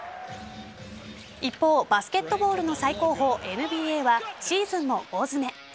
一方バスケットボールの最高峰ＮＢＡはシーズンも大詰め。